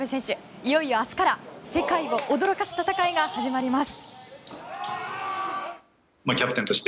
いよいよ明日から世界を驚かす戦いが始まります。